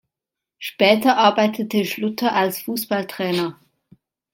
Später arbeitete Schlutter als Fußballtrainer.